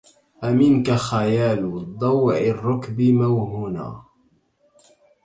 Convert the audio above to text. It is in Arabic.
أمنك خيال ضوع الركب موهنا